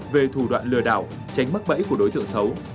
về thủ đoạn lừa đảo tránh mắc bẫy của đối tượng xấu